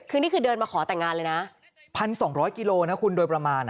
คือนี่คือเดินมาขอแต่งงานเลยน่ะพันสองร้อยกิโลนะคุณโดยประมาณน่ะ